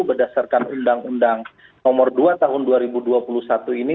berdasarkan undang undang nomor dua tahun dua ribu dua puluh satu ini